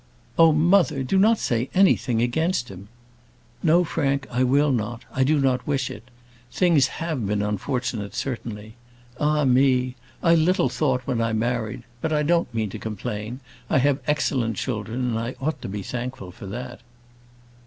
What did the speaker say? "Oh, mother! do not say anything against him." "No, Frank, I will not; I do not wish it. Things have been unfortunate, certainly. Ah me! I little thought when I married but I don't mean to complain I have excellent children, and I ought to be thankful for that."